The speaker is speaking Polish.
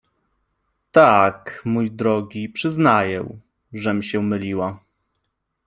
— Tak, mój drogi, przyznaję, żem się myliła.